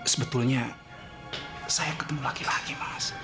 sebetulnya saya ketemu laki laki mas